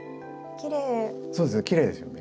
きれいですよね。